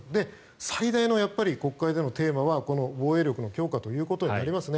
最大の国会でのテーマは防衛力の強化ということになりますね。